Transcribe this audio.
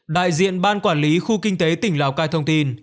đại diện ban quản lý khu kinh tế tỉnh lào cai thông tin